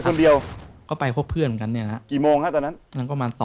ก็กว่าแค่กี่โมงครับตอนนั้น